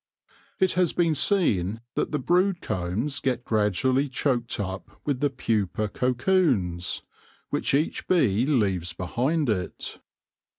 It has been seen that the brood combs get gradually choked up with the pupa cocoons, which each bee leaves behind it.